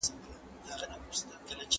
مور مې ماته د ریښتینولۍ درس راکړ.